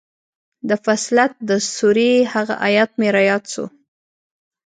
د فصلت د سورې هغه ايت مې راياد سو.